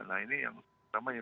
nah ini yang pertama ya